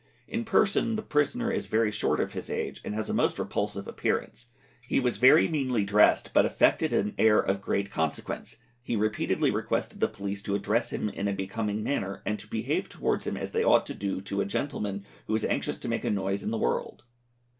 In person the prisoner is very short of his age, and has a most repulsive appearance; he was very meanly dressed, but affected an air of great consequence; be repeatedly requested the police to address him in a becoming manner, and to behave towards him as they ought to do to a gentleman who was anxious to make a noise in the world.